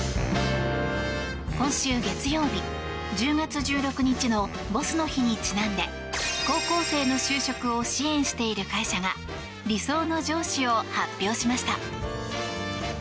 今週月曜日、１０月１６日のボスの日にちなんで高校生の就職を支援している会社が理想の上司を発表しました。